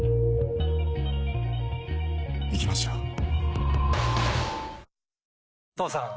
行きましょう。